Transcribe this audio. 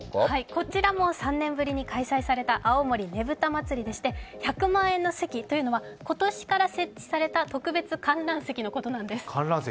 こちらも３年ぶりに開催された青森ねぶた祭でして１００万円の席というのは、今年から設置された特別観覧席のことなんです。